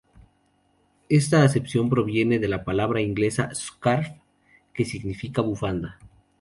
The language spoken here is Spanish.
Esta acepción proviene de la palabra inglesa "scarf" que significa bufanda.